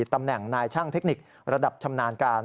ตำแหน่งนายช่างเทคนิคระดับชำนาญการ